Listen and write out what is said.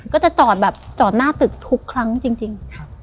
ก็จะจอดแบบจอดหน้าตึกทุกครั้งจริง